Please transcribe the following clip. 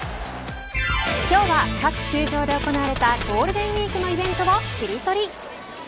今日は各球場で行われたゴールデンウイークのイベントをキリトリ。